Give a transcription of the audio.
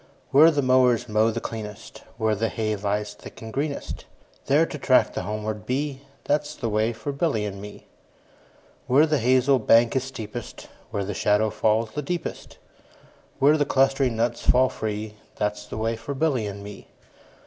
Where the mowers mow the cleanest, Where the hay lies thick and greenest, 10 There to track the homeward bee, That 's the way for Billy and me. Where the hazel bank is steepest, Where the shadow falls the deepest, Where the clustering nuts fall free, 15 That 's the way for Billy and me.